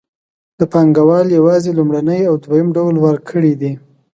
پانګوال یوازې لومړنی او دویم ډول ورکړي دي